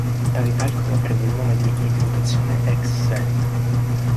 Tale calcolo prende il nome di "imputazione ex se".